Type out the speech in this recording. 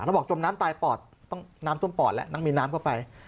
แล้วบอกจมน้ำตายปอดต้องน้ำท่วมปอดแล้วนั่งมีน้ำเข้าไป